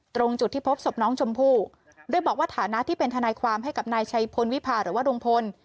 ตรงจุดที่พบศพน้องชมพู่โดยบอกว่าฐานะที่เป็นทนายความให้กับนายชัยพลวิพาหรือว่าลุงพล